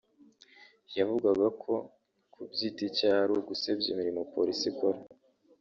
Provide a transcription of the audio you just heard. yavugaga ko kubyita icyaha ari ugusebya imirimo Polisi ikora